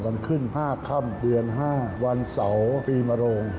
วันขึ้น๕ค่ำเดือน๕วันเสาร์ปีมโรง